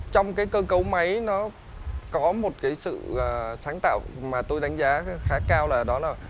trong cái cơ cấu máy nó có một cái sự sáng tạo mà tôi đánh giá khá cao là đó là